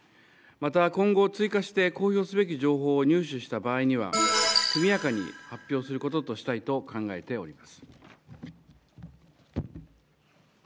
また、今後追加して公表すべき情報を入手した場合には速やかに発表することとしたいと考えています。